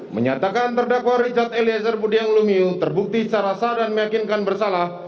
menyatakan terdakwa richard eliezer budiang lumiu terbukti secara sah dan meyakinkan bersalah